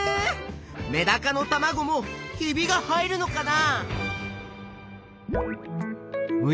メダカのたまごもひびが入るのかな？